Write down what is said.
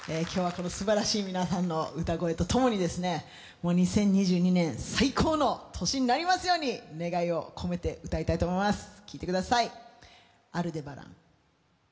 今日はこのすばらしい皆さんの歌声とともにですね、２０２２年、最高の年になりますように願いを込めて歌いたいと思います。